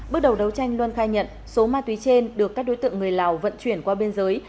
bước đầu đấu tranh luân khai nhận số ma túy trên được các đối tượng người lào vận chuyển qua biên giới